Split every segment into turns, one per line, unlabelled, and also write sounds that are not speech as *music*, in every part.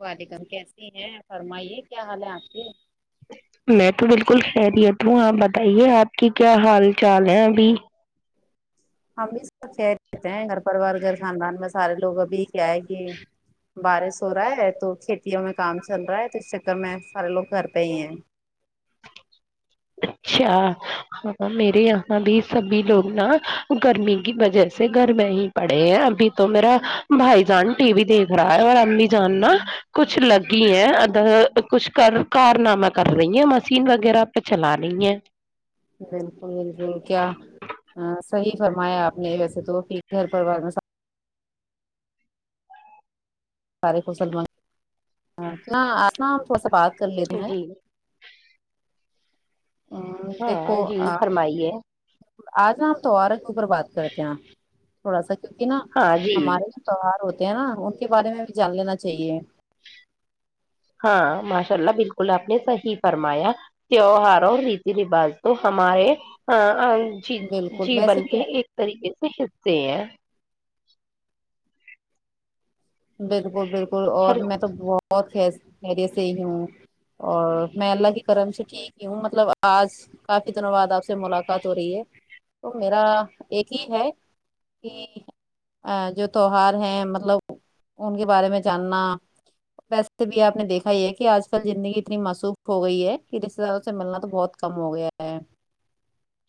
والکم کیسی ہیں فرمائیے کیا حال ہے آپ کے
*inaudible* میں تو بالکل خیریت ہوں آپ بتائیے آپ کی کیا حال چال ہیں ابھی
ہم بھی سب خیریت ہیں گھر پروار گھر خاندان میں سارے لوگ ابھی کیا ہے کہ بارش ہو رہا ہے تو کھیتیوں میں کام چل رہا ہے تو اس چکر میں سارے لوگ گھر پہ ہی ہیں
اچھا ہاں میرے یہاں بھی سبھی لوگ نا گرمی کی وجہ سے گھر میں ہی پڑے ہیں ابھی تو میرا بھائی جان ٹی وی دیکھ رہا ہے اور امی جان نا کچھ لگی ہیں ادھر کچھ کر کار نامہ کر رہی ہیں مشین وغیرہ چلا رہی ہے
بالکل بالکل کیا ہاں صحیح فرمایا آپ نے ویسے تو پھر گھر پروار میں
جی
*inaudible*
ہاں
دیکھو
جی فرمائیے
آج نا ہم تیوہارں کے اوپر بات کرتے ہیں تھوڑا سا کیونکہ نا
ہاں جی
ہمارے تیوہار ہوتے ہیں نا ان کے بارے میں بھی جان لینا چاہیے
ہاں ماشاء اللہ بالکل آپ نے صحیح فرمایا تیوہار اور ریتی رواج تو ہمارے
بالکل ویسے
جیون
بھی
کے
ہے
ایک طریقے سے حصے ہیں
بالکل بالکل
ہر
اور میں تو بہت خیریت سے ہی ہوں اور میں اللہ کی کرم سے ٹھیک ہی ہوں مطلب آج کافی دنوں بعد آپ سے ملاقات ہو رہی ہے تو میرا ایک ہی ہے کہ جو تیوہار ہے مطلب ان کے بارے میں جاننا ویسے بھی آپ نے دیکھا یہ ہے کہ آج کل زندگی اتنی معصوف ہو گئی ہے کہ رشتے داروں سے ملنا تو بہت کم ہو گیا ہے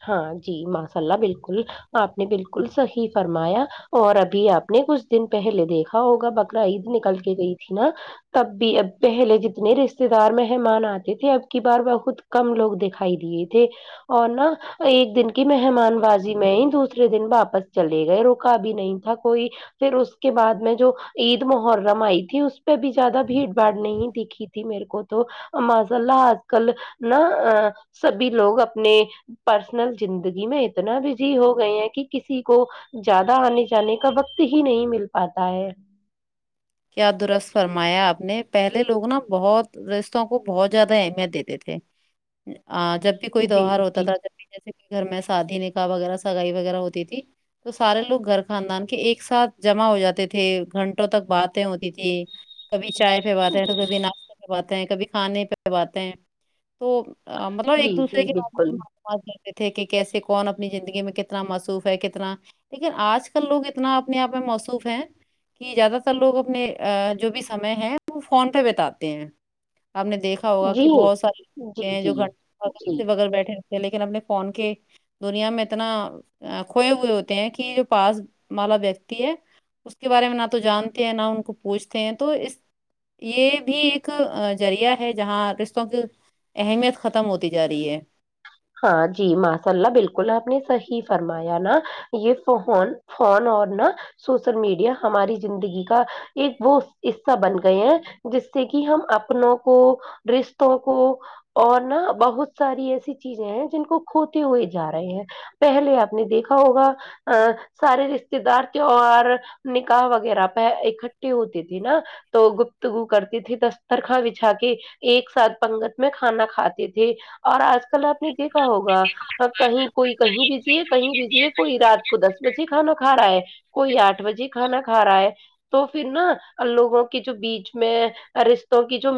ہاں جی ماشاء اللہ بالکل آپ نے بالکل صحیح فرمایا اور ابھی آپ نے کچھ دن پہلے دیکھا ہوگا بکرا عید نکل کے گئی تھی نا تب بھی اب پہلے جتنے رشتے دار مہمان آتے تھے اب کی بار بہت کم لوگ دکھائی دیے تھے اور نا ایک دن کی مہمان بازی میں ہی دوسرے دن واپس چلے گئے روکا بھی نہیں تھا کوئی پھر اس کے بعد میں جو عید محرم آئی تھی اس پہ بھی زیادہ بھیڑ بھاڑ نہیں دکھی تھی میرے کو تو معاذ اللہ آج کل نا سبھی لوگ اپنے پرسنل زندگی میں اتنا بزی ہو گئے ہیں کہ کسی کو زیادہ آنے جانے کا وقت ہی نہیں مل پاتا ہے
کیا درست فرمایا آپ نے پہلے لوگ نا بہت رشتوں کو بہت زیادہ اہمیت دیتے تھے جب بھی کوئی
جی
تیوہار ہوتا
جی
تھا جب بھی جیسے کہ گھر میں شادی نکاح وغیرہ سگائی وغیرہ ہوتی تھی تو سارے لوگ گھر خاندان کے ایک ساتھ جمع ہو جاتے تھے گھنٹوں تک بعد باتیں ہوتی تھی کبھی چائے پے باتیں تو کبھی ناشتے پہ باتیں کبھی کھانے پہ باتیں تو مطلب
جی
ایک دوسرے
جی
کے
بالکل
محبت دیکھتے تھے کہ کیسے کون اپنی زندگی میں کتنا معصوف ہے کتنا لیکن آج کل لوگ اتنا اپنے آپ میں مصروف ہیں کہ زیادہ تر لوگ اپنے جو بھی سمے ہے وہ فون پہ بتاتے ہیں آپ نے دیکھا ہوگا
جی
کہ بہت ساری لوگ
جی
ہیں جو
جی
گھنٹ
جی
*inaudible* لیکن اپنے فون کے دنیا میں اتنا کھوئے ہوئے ہوتے ہیں کہ جو پاس والا ویکتی ہے اس کے بارے میں نہ تو جانتے ہیں نہ ان کو پوچھتے ہیں تو اس یہ بھی ایک ذریعہ ہے جہاں رشتوں کے اہمیت ختم ہوتی جا رہی ہے
ہاں جی ماشاء اللہ بالکل آپ نے صحیح فرمایا نا یہ فون فون اور نہ سوشل میڈیا ہماری زندگی کا ایک وہ حصہ بن گیا ہیں جس سے کہ ہم اپنوں کو رشتوں کو اور نا بہت ساری ایسی چیزیں ہیں جن کو کھوتے ہوئے جا رہے ہیں پہلے آپ نے دیکھا ہوگا سارے رشتے دار تیوہار نکاح وغیرہ پہ اکٹھے ہوتی تھی نا تو گفتگو کرتی تھی دسترخوان بچھا کے ایک ساتھ پنگت میں کھانا کھاتے تھے اور آج کل کل آپ نے دیکھا ہوگا کہیں کوئی کہیں بزی ہے کہیں بزی ہے کوئی رات کو دس بجے کھانا کھا رہا ہے کوئی آٹھ بجے کھانا کھا رہا ہے تو پھر نا لوگوں کے جو بیچ میں رشتوں کی جو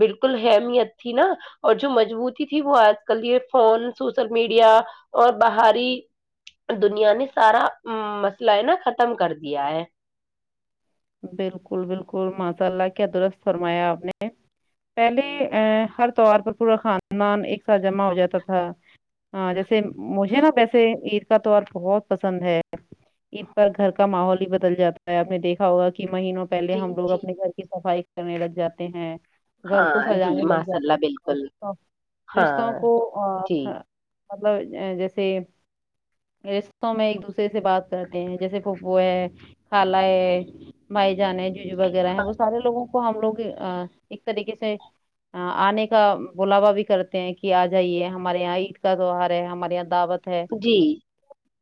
بالکل اہمیت تھی نا اور جو مضبوطی تھی وہ آج کل یہ فون سوشل میڈیا اور بہر ہی دنیا نے سارا مسئلہ ہے نا ختم کر دیا ہے
بالکل بالکل ماساء اللہ کیا درست فرمایا آپ نے پہلے ہر تیوہار پر پورا خاندان ایک ساتھ جمع ہو جاتا تھا ہاں جیسے مجھے نا ویسے عید کا تہوار بہت پسند ہے عید پر گھر کا ماحول ہی بدل جاتا ہے آپ نے دیکھا ہوگا کہ مہینوں پہلے
جی
ہم لوگ
جی
اپنے گھر کی صفائی کرنے لگ جاتے ہیں گھر کو
ہاں جی
سجانے لگ
ماشاء اللہ
جاتے
بالکل
ہیں رشتوں
ہاں
کو
جی
مطلب جیسے رشتوں میں ایک دوسرے سے بات کرتے ہیں جیسے پھپو ہے خالا ہے بھائی جان ہے جیجو وغیرہ ہے وہ سارے لوگوں کو ہم لوگ ایک طریقے سے آنے کا بلاوا بھی کرتے ہیں کہ آ جائیے ہمارے یہاں عید کا تہوہار ہے ہمارے یہاں دعوت ہے
جی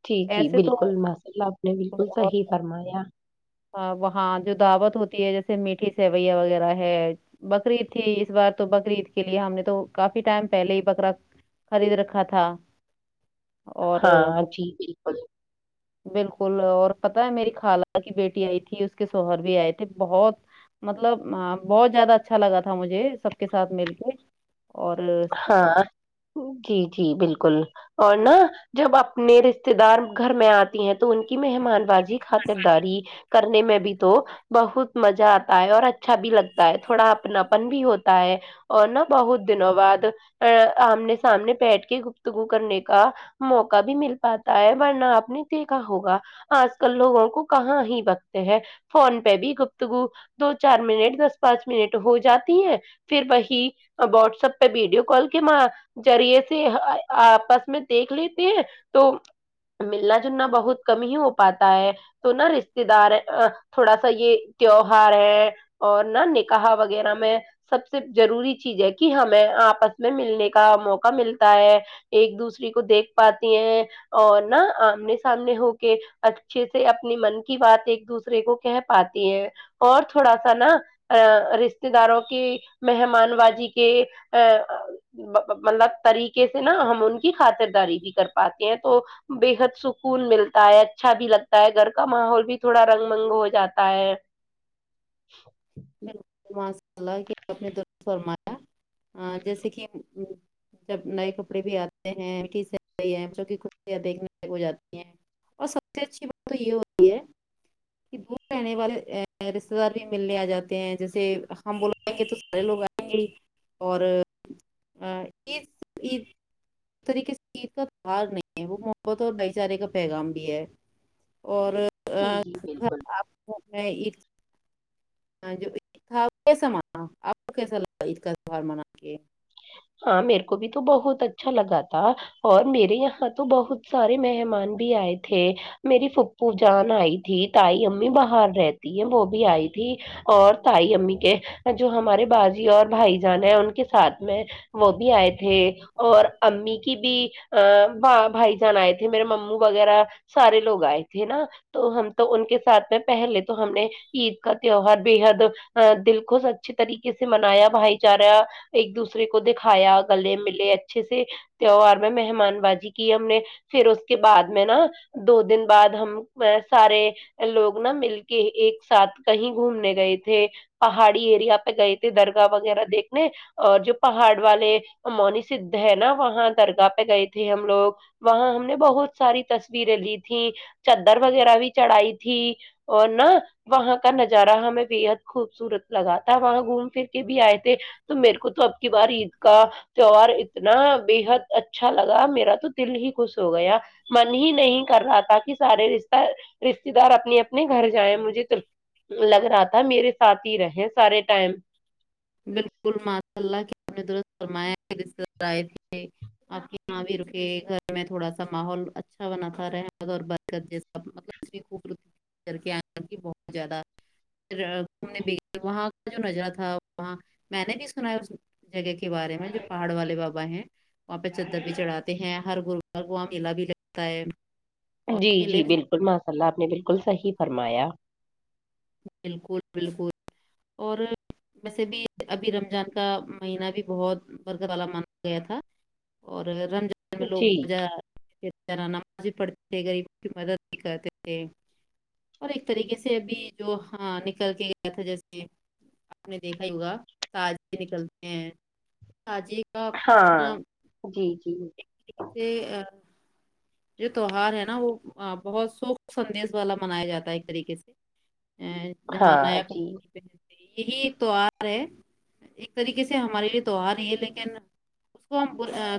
جی جی
ایسے تو
بالکل ماشاء اللہ آپ نے بالکل
اور
صحیح فرمایا
ہاں وہاں جو دعوت ہوتی ہے جیسے میٹھی سیویا وغیرہ ہے بکری عید تھی اس بار تو بکری عید کے لیے ہم نے تو کافی ٹائم پہلے ہی بکرا خرید رکھا تھا اور
ہاں، جی، بالکل،
بالکل اور پتا ہے میری خالہ کی بیٹی آئی تھی اس کے سوہر بھی آئے تھے بہت مطلب بہت زیادہ اچھا لگا تھا مجھے سب کے ساتھ مل کے اور
ہاں جی جی بالکل اور نا جب اپنے رشتے دار گھر میں آتی ہیں تو ان کی مہمان بازی خاطرداری کرنے میں بھی تو بہت مزہ آتا ہے اور اچھا بھی لگتا ہے تھوڑا اپنا اپن بھی ہوتا ہے اور نہا بہت دنوں بعد آمنے سامنے بیٹھ کے گفتگو کرنے کا موقع بھی مل پاتا ہے ورنہ آپ نے دیکھا ہوگا آج کل لوگوں کو کہاں ہی بکتے ہیں فون پہ بھی گپتگو دو چار منٹ دس پانچ منٹ ہو جاتی ہیں پھر وہیباٹسپ ویڈیو کال کے ذریعے سے آپس میں دیکھ لیتے ہیں تو ملنا جلنا بہت کم ہی ہو پاتا ہے تو نا رشتے دار تھوڑا سا یہ تیوہار ہے اور نہ نکا وغیرہ میں سب سے ضروری چیز ہے کہ ہم میں آپس میں ملنے کا موقع ملتا ہے ایک دوسرے کو دیکھ پاتی ہیں اور نہا آمنے سامنے ہو کے اچھے سے اپنی من کی بات ایک دوسرے کو کہہ پاتی ہے اور تھوڑا سا نا ا رشتے داروں کے مہمان بازی کے ا مطلب طریقے سے نا ہم ان کی خاطرداری بھی کر پاتے ہیں تو بےحد سکون ملتا ہے اچھا بھی لگتا ہے گھر کا ماحول بھی تھوڑا رنگ منگ ہو جاتا ہے
اللہ اپنے د فرمایا جیسے کہ جب نئے کپڑے بھی آتے ہیں سئی ہیں جو کی خیاں دیکھنے ہو جاتی ہیں اور سب سے اچھی بات تو یہ ہو رہی ہے دور رہنے والے رشتے دار بھی ملنے آ جاتے ہیں جیسے ہم بولائیں گے تو سارے لوگ آئیں گے اور ا عید عید اس طریقے سے چ کا تہار نہیں ہے وہ محبت اور بھائی چارے کا پیغام بھی ہے اور
جی جی
گھر
بالکل
آپ گھر میں ہاں جو عید تھا کیسا منا آپ کو کیسا لگا عید کا تہوار منا کے
ہاں میرے کو بھی تو بہت اچھا لگا تھا اور میرے یہاں تو بہت سارے مہمان بھی آئے تھے میری پھپو جان آئی تھی تائی امی باہر رہتی ہے وہ بھی آئی تھی اور تائی امی کے جو ہمارے باجی اور بھائی جان ہیں ان کے ساتھ میں وہ بھی آئے تھے اور امی کی بھی ا بھائی جان آئے تھے میرے مو وغیرہ سارے لوگ آئے تھے نا تو ہم تو ان کے ساتھ میں پہلے تو ہم نے عید کا تیوہار بے حد ا دل کو اچھے طریقے سے منایا بھائی چارہ ایک دوسرے دوسرے کو دکھایا گلے ملے اچھے سے تیوار میں مہمان بازی کی ہم نے پھر اس کے بعد میں نا دو دن بعد ہم سارے لوگ نا مل کے ایک ساتھ کہیں گھومنے گئے تھے پہاڑی ایریا پہ گئے تھے درگاہ وغیرہ دیکھنے اور جو پہاڑ والے مونی سھ ہے نا وہاں درگاہ پہ گئے تھے ہم لوگ وہاں ہم نے بہت ساری تصویریں لی تھیں چدر وغیرہ بھی چڑھائی تھی اور نا وہاں کا نظارہ ہمیں بےحد خوبصورت لگا تھا وہاں گھوم پھر کے بھی آئے تھے تو میرے کو تو اب کی بار عید کا تیوار اتنا بےحد اچھا لگا میرا تو دل ہی خوش ہو گیا من ہی نہیں کر رہا تھا کہ سارے رشہ رشتے دار اپنے اپنے گھر جائیں مجھے تو لگ رہا تھا میرے ساتھ ہی رہے سارے ٹائم
بالکل ماشا اللہ کتنا درست فرمایا اپ نے آپ کے یہاں بھی رکے گھر میں تھوڑا سا ماحول اچھا بناتا رہے اور *inaudible* پھر گھومنے بھی گئے وہاں کا جو نظارہ تھا ہاں میں نے بھی سنا ہے اس جگہ کے بارے میں جو پہاڑ والے بابا ہیں وہاں پہ چدر بھی چڑھاتے ہیں ہر گروار کو وہاں میلا بھی لگتا ہے اور
جی جی
میلے میں
بالکل ماشاء اللہ آپ نے بالکل صحیح فرمایا
بالکل بالکل اور ویسے بھی ابھی رمضان کا مہینہ بھی بہت برکت والا مانا گیا تھا اور رمضان میں لوگ
جی
اس طرح نماز بھی پڑھتے تھے غریبوں کی مدد بھی کرتے تھے اور ایک طریقے سے ابھی جو ہاں نکل کے گیا تھا جیسے آپ نے دیکھا ہی ہوگا تازے نکلتے ہیں سجی کا
ہاں جی جی
جیسے جو تیوار ہے نا وہ بہت شوق سدیش والا منایا جاتا ہے ایک طریقے سے جہاں
ہاں
نئے
جی
کپڑے ہیں یہی ایک تیوہار ہے ایک طریقے سے ہمارے لیے تیوہار ہی ہے لیکن اس کو ہم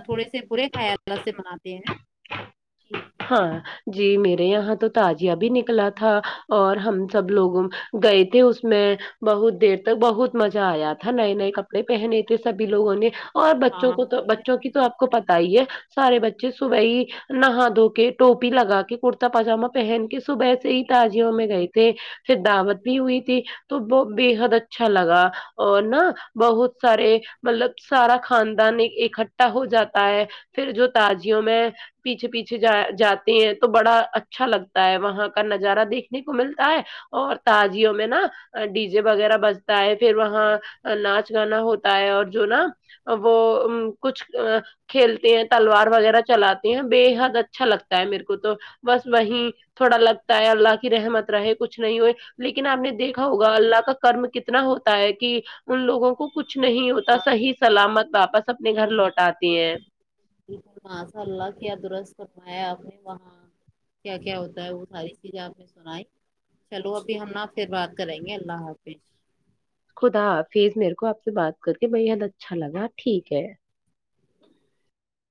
تھوڑے سے برے خیال سے مناتے ہیں جی
ہاں جی میرے یہاں تو تجیہ بھی نکلا تھا اور ہم سب لوگ گئے تھے اس میں بہت دیر تک بہت مزہ آیا تھا نئے نئے کپڑے پہنے تھے سبھی لوگوں نے اور بچوں
ہاں
کو تو بچوں کی تو آپ کو پتا ہی ہے سارے بچے صبح ہی نہا دھو کے ٹوپی لگا کے کرتا پاجامہ پہن کے صبح سے ہی تاجیوں میں گئے تھے پھر دعوت بھی ہوئی تھی تو وہ بےحد اچھا لگا اور نا بہت سارے مطلب سارا خاندان اکٹھا ہو جاتا ہے پھر جو تازیوں میں پیچھے پیچھے جاتے ہیں تو بڑا اچھا لگتا ہے وہاں کا نظارہ دیکھنے کو ملتا ہے اور تجیوں میں نا ڈی جے وغیرہ بجتا ہے پھر وہاں ناچ گانا ہوتا ہے اور جو نا وہ کچھ کھیلتے ہیں تلوار وغیرہ چلاتے ہیں بے حد اچھا لگتا ہے میرے کو تو بس وہی تھوڑا لگتا ہے اللہ کی رحمت رہے کچھ نہیں ہوئے لیکن آپ نے دیکھا ہوگا اللہ کا کرم کتنا ہوتا ہے کہ ان لوگوں کو کچھ نہیں ہوتا صحیح سلامت واپس اپنے گھر لوٹاتے ہیں
بالکل ماشاءاللہ کیا درست فرمایا اپ نے وہاں کیا کیا ہوتا ہے وہ ساری چیزیں آپ نے سنائی چلو ابھی ہم نا پھر بات کریں گے اللہ حافظ
خدا حافظ میرے کو آپ سے بات کر کے بے حد اچھا لگا ٹھیک ہے